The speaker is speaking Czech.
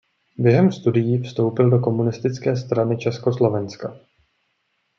Během studií vstoupil do Komunistické strany Československa.